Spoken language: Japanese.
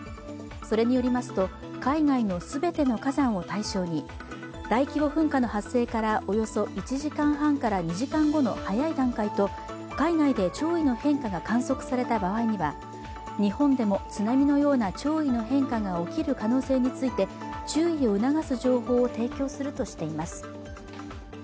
それによりますと、海外の全ての火山を対象に大規模噴火の発生からおよそ１時間半から２時間後の早い段階と海外で潮位の変化が観測された場合には日本でも津波のような潮位の変化が起きる可能性について注意を促す情報を提供するとしています。